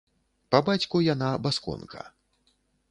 Па бацьку яна басконка.